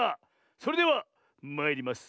それではまいります。